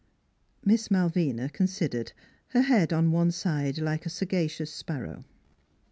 Miss Malvina considered, her head on one side like a sagacious sparrow.